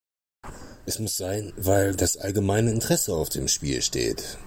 Es muss sein, weil das allgemeine Interesse auf dem Spiel steht.